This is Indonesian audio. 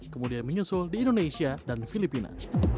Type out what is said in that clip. kemudian menyusul di indonesia dan filipina